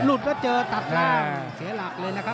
เจอตัดล่างเสียหลักเลยนะครับ